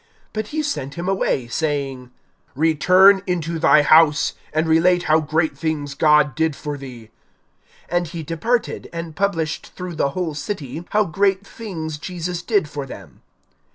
But he sent him away, saying: (39)Return into thy house, and relate how great things God did for thee. And he departed, and published through the whole city how great things Jesus did for him.